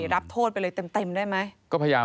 รับโทษไปเลยเต็มได้ไหม